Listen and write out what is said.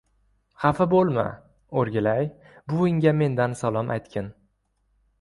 — Xafa bo‘lma, o‘rgilay! Buvingga mendan salom aytgin.